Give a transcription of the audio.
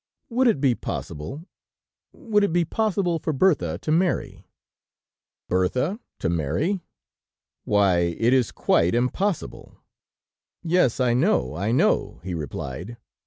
Would it be possible ... would it be possible for Bertha to marry?' "'Bertha to marry!... Why, it is quite impossible!' "'Yes, I know, I know,' he replied....